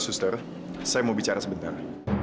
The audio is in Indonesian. suster saya mau bicara sebentar